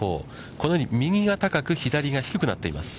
このように右が高く、左が低くなっています。